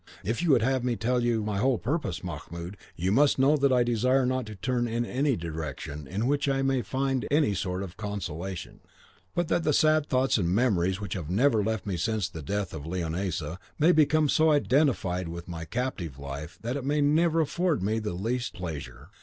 If you would have me tell you my whole purpose, Mahmoud, you must know that I desire not to turn in any direction in which I may find any sort of consolation, but that the sad thoughts and memories which have never left me since the death of Leonisa may become so identified with my captive life that it may never afford me the least pleasure.